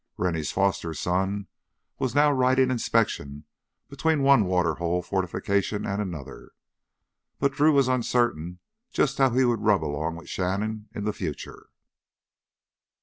Rennie's foster son was now riding inspection between one water hole fortification and another. But Drew was uncertain just how he would rub along with Shannon in the future.